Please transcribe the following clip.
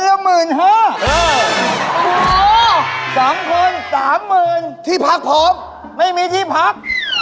สามหมื่นฮะสามคนสามหมื่นที่พักผมไม่มีที่พัก